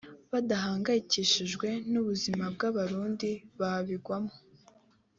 badahangayikishijwe n’ubuzima bw’Abarundi babigwamo